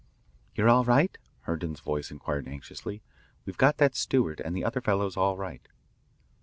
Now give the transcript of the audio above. "You're all right?" Herndon's voice inquired anxiously. "We've got that steward and the other fellows all right."